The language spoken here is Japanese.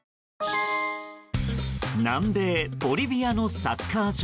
南米ボリビアのサッカー場。